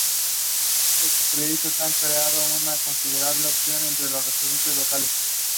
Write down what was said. Bohicon is the crossroads of international trade at the center of Benin.